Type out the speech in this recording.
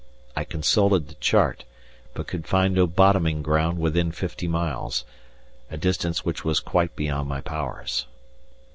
I consulted the chart, but could find no bottoming ground within fifty miles, a distance which was quite beyond my powers.